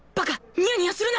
ニヤニヤするな！